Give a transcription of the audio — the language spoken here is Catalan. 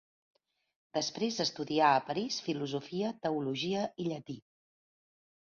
Després estudià a París filosofia, teologia i llatí.